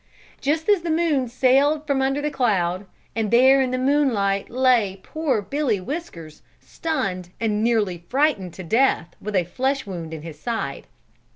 Just then the moon sailed from under the cloud, and there in the moonlight lay poor Billy Whiskers stunned and nearly frightened to death with a flesh wound in his side.